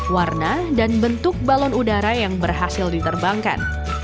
warna dan bentuk balon udara yang berhasil diterbangkan